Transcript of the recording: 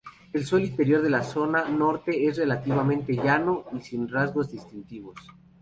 El suelo interior de la zona norte es relativamente llano y sin rasgos distintivos.